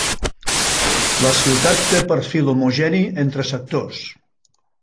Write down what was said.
La ciutat té perfil homogeni entre sectors.